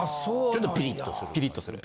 ちょっとピリッとする？